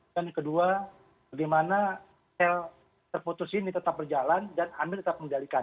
dan kedua bagaimana sel terputus ini tetap berjalan dan amir tetap menjalinkan